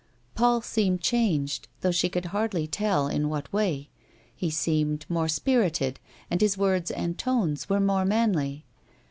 Paul bueuied changed though she could hardly tell in 202 A WOMAN'S LIFE. what way. He seemed more spirited, and bis words and tones were more manly.